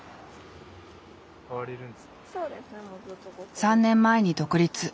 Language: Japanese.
３年前に独立。